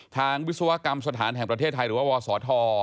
วิศวกรรมสถานแห่งประเทศไทยหรือว่าวศธ